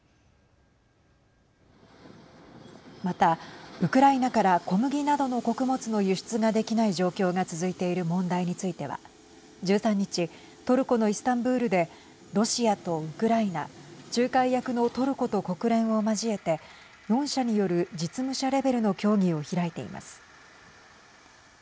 また、ウクライナから小麦などの穀物の輸出ができない状況が続いている問題については１３日トルコのイスタンブールでロシアとウクライナ仲介役のトルコと国連を交えて４者による実務者レベルの協議を開いています。